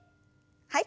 はい。